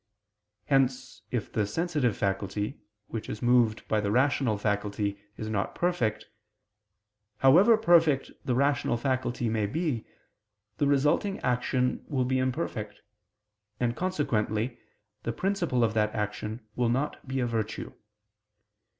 Hence if the sensitive faculty, which is moved by the rational faculty, is not perfect; however perfect the rational faculty may be, the resulting action will be imperfect: and consequently the principle of that action will not be a virtue.